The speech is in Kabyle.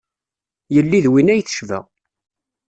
Yelli d win ay tecba.